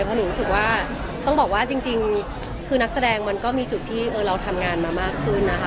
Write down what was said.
เพราะหนูรู้สึกว่าต้องบอกว่าจริงคือนักแสดงมันก็มีจุดที่เราทำงานมามากขึ้นนะคะ